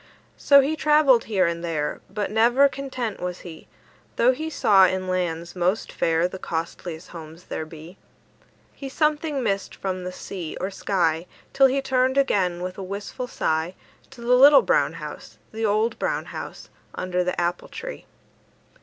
So he travelled here and there, But never content was he, Though he saw in lands most fair The costliest homes there be. He something missed from the sea or sky, Till he turned again with a wistful sigh To the little brown house, The old brown house, Under the apple tree.